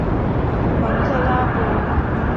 蒙克拉博。